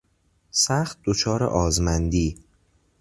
سخت دچار آزمندی